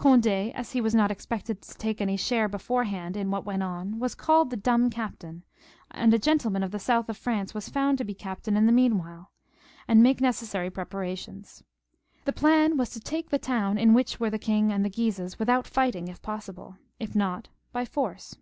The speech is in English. Cond^, as he was not expected to take any share beforehand in what went on, was called the dumb captain, and a gentleman of the south of France was found to be captain in the meanwhile, and make necessary preparations. The plan was to take the town, in which were the king and the Guises, without fighting, if possible, if not, by force.